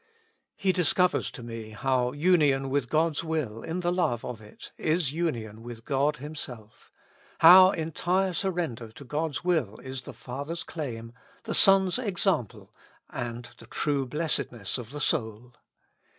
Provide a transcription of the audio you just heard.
He discovers to me how union with God's will in the love of it, is union with God Himself ; how entire surrender to God's will is the Father's claim, the Son's example, and the true blessedness of the soul.